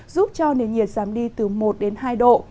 giúp cho nền nhiệt giảm đi từ một đến hai độ